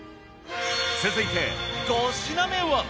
続いて５品目は。